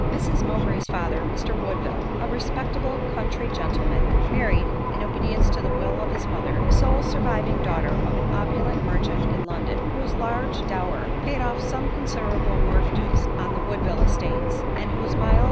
Mrs Mowbray's father, Mr Woodville, a respectable country gentleman, married, in obedience to the will of his mother, the sole surviving daughter of an opulent merchant in London, whose large dower paid off some considerable mortgages on the Woodville estates, and whose mild